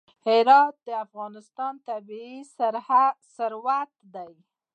هرات د افغانستان طبعي ثروت دی.